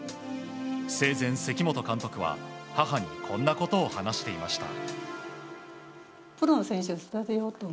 生前、関本監督は母にこんなことを話していました。